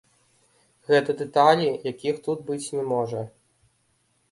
Гэта дэталі, якіх тут быць не можа.